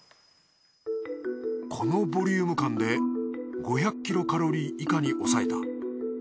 このボリューム感で５００キロカロリー以下に抑えた。